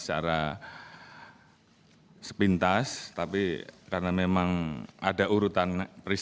tertempat saya sudah berspaksa memberikan alguma kenalangan